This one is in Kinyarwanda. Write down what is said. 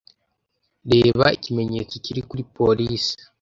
Reba ikimenyetso kiri kuri police